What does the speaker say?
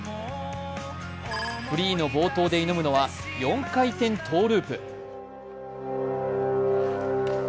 フリーの冒頭で挑むのは４回転トゥループ。